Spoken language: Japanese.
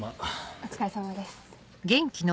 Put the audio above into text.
お疲れさまです。